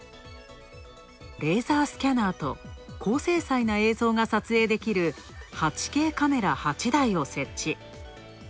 レーザースキャナーと高精細な映像が撮影できる、８Ｋカメラ８台を設置。